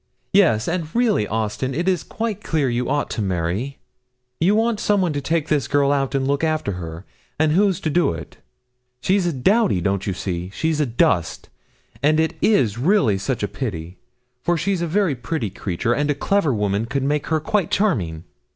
'Yes, and really, Austin, it is quite clear you ought to marry; you want some one to take this girl out, and look after her, and who's to do it? She's a dowdy don't you see? Such a dust! And it is really such a pity; for she's a very pretty creature, and a clever woman could make her quite charming.'